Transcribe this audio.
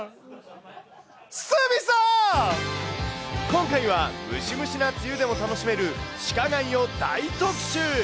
今回はムシムシな梅雨でも楽しめる地下街を大特集。